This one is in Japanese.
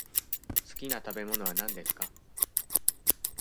すきな食べ物は何ですか。